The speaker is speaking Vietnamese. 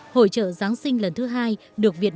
hội trợ giáng sinh lần thứ hai được việt